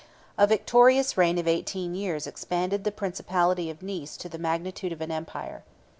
A victorious reign of eighteen years expanded the principality of Nice to the magnitude of an empire.